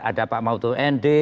ada pak mautun endi